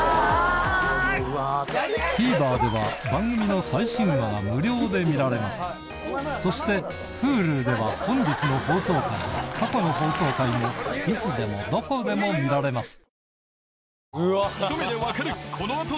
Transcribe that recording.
ＴＶｅｒでは番組の最新話が無料で見られますそしてＨｕｌｕでは本日の放送回も過去の放送回もいつでもどこでも見られます